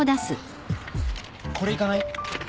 これ行かない？